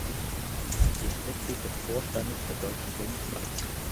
Sie ist Mitglied des Vorstandes der Deutschen Bundesbank.